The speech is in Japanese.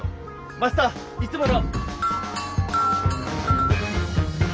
マスターいつもの！